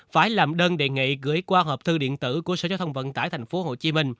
phải làm đơn đề nghị gửi qua hộp thư điện tử của sở giao thông vận tải tp hcm